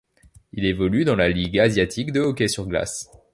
Il évolue dans la Ligue asiatique de hockey sur glace.